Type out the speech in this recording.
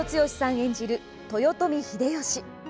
演じる豊臣秀吉。